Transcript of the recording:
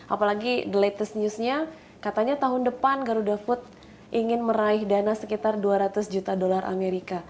apalagi the latest news nya katanya tahun depan garuda food ingin meraih dana sekitar dua ratus juta dolar amerika